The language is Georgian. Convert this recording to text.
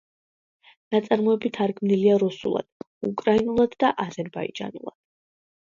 ნაწარმოები თარგმნილია რუსულად, უკრაინულად და აზერბაიჯანულად.